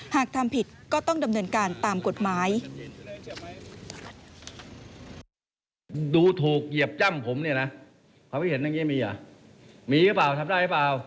หากทำผิดก็ต้องดำเนินการตามกฎหมาย